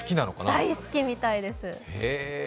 大好きみたいです。